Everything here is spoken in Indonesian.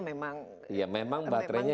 memang ya memang baterainya